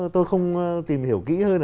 tôi không tìm hiểu kỹ hơn